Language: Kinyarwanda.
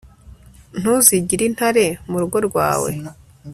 ntuzigire intare mu rugo rwawe